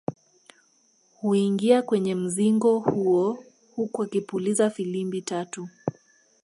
Huingia kwenye mzingo huo huku akipuliza filimbi tatu